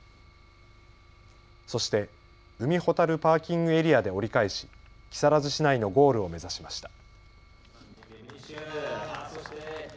そして海ほたるパーキングエリアで折り返し木更津市内のゴールを目指しました。